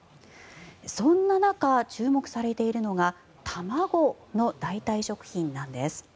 そんな中、注目されているのが卵の代替食品なんです。